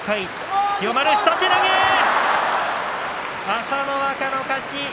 朝乃若の勝ち。